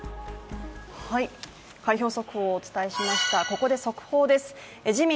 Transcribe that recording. ここで速報です。